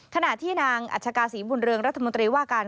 ขณะที่นางอัชกาศรีบุญเรืองรัฐมนตรีว่าการ